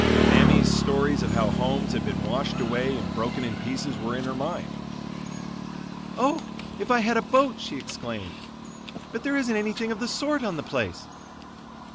Mammy's stories of how homes had been washed away and broken in pieces were in her mind. "Oh, if I had a boat!" she exclaimed. "But there isn't anything of the sort on the place."